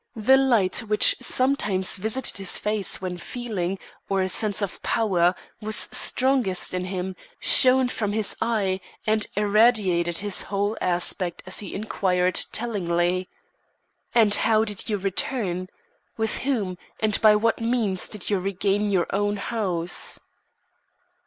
The light which sometimes visited his face when feeling, or a sense of power, was strongest in him, shone from his eye and irradiated his whole aspect as he inquired tellingly: "And how did you return? With whom, and by what means, did you regain your own house?"